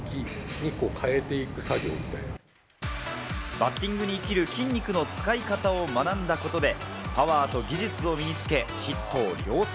バッティングに生きる筋肉の使い方を学んだことで、パワーと技術を身につけ、ヒットを量産。